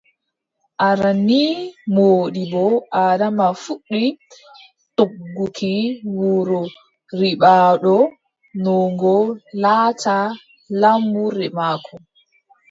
Aran nii Moodibbo Adama fuɗɗi togguki wuro Ribaaɗo no ngo laata laamurde maako.